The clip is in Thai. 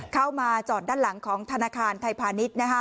เข้ามาจอดด้านหลังของธนาคารไทยพาณิชย์